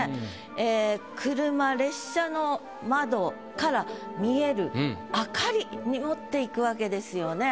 え車列車の窓から見える明かりに持っていくわけですよね。